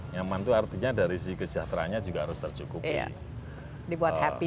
nyaman itu artinya dari si kesejahterannya juga harus tercukupi